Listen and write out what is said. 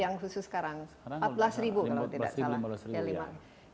yang khusus sekarang empat belas ribu kalau tidak salah